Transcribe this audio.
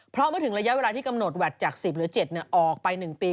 เพราะเมื่อถึงระยะเวลาที่กำหนดแวดจาก๑๐หรือ๗ออกไป๑ปี